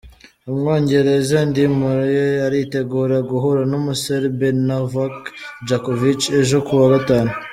Umwongereza Andy Murray aritegura guhura n'umuSerbe Novak Djokovic ejo kuwa gatanu.